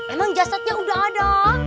emang jasadnya udah ada